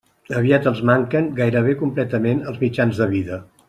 Aviat els manquen gairebé completament els mitjans de vida.